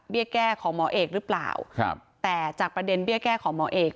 แก้ของหมอเอกหรือเปล่าครับแต่จากประเด็นเบี้ยแก้ของหมอเอก